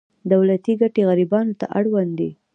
دولتي ګټې غریبانو ته اړوند دي.